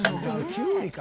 きゅうりか？